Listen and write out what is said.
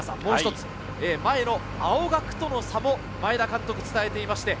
前の青学との差も前田監督は伝えています。